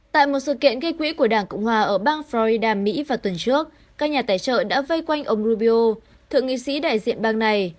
tại một sự kiện gây quỹ của đảng cộng hòa ở bang florida mỹ vào tuần trước các nhà tài trợ đã vây quanh ông rubio thượng nghị sĩ đại diện bang này